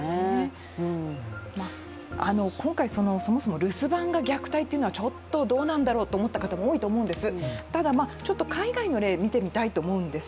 今回、そもそも留守番が虐待というのはちょっとどうなんだろうと思った方もいたと思うんです。